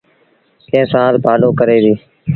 ڪݩهݩ سآل پآڏو ڪري ديٚ۔